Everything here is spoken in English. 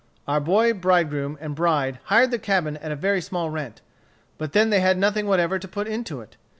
Our boy bridegroom and bride hired the cabin at a very small rent. But then they had nothing whatever to put into it.